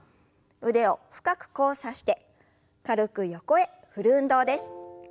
腕を深く交差して軽く横へ振る運動です。